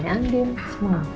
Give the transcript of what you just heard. makanya aldebana sama aku